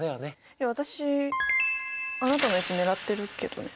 いや私あなたの位置狙ってるけどね。